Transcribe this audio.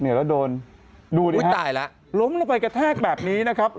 เหนื่อยแล้วโดนดูดิครับล้มลงไปกระแทกแบบนี้นะครับ